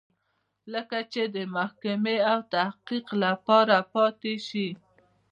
کله چې د محاکمې او تحقیق لپاره پاتې شي.